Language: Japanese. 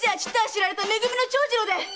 知られため組の長次郎だ！